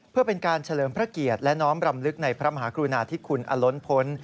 เพื่อเป็นการเฉลิมพระเกียรติและน้อมรำลึกในพระมหากรุณาธิคุณอล้นพล